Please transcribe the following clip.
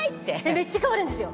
めっちゃ変わるんですよ。